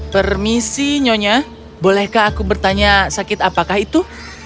permisi nyonya bolehkah aku bertanya sakit apakah itu